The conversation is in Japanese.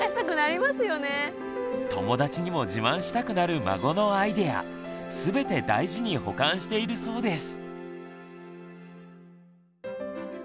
友達にも自慢したくなる孫のアイデア全て大事に保管しているそうです。